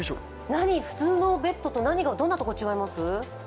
普通のベッドとどんなところが違います？